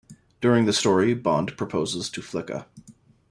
During the story, Bond proposes to Flicka.